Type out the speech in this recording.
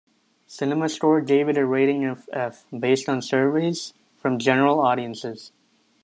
CinemaScore gave it a rating of "F" based on surveys from general audiences.